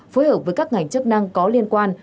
phối hợp với các ngành chức năng có liên quan